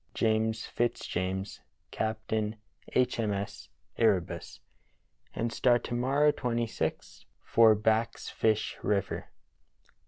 James Fitzjames, Captain H. M. S. Erebus. *'And start to morrow, 26th, for Back's Fish River.